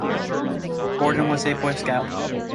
Gordon was a Boy Scout.